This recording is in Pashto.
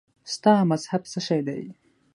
ستا مذهب څه شی دی؟